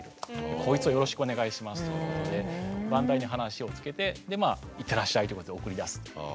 こいつをよろしくお願いしますということで番台に話をつけていってらっしゃいということで送り出すっていう。